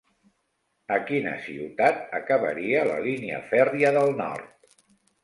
A quina ciutat acabaria la línia fèrria del nord?